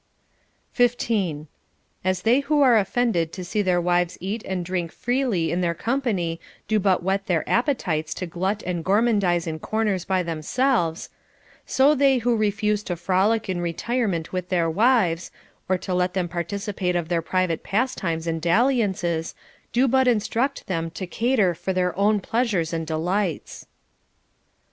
15. As they who are offended to see their wives eat and drink freely in their company do but whet their appetites to glut and gormandize in corners by themselves ; so they who refuse to frolic in retirement with their wives, or to let them participate of their private pastimes and dal liances, do but instruct them to cater for their own pleas ures and delights.